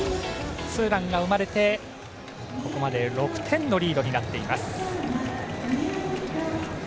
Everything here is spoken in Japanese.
ツーランが生まれて、ここまで６点のリードになっています。